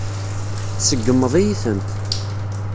Tseggmeḍ-iyi-tent.